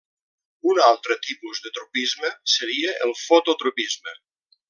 Un altre tipus de tropisme seria el fototropisme.